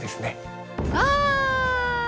わ。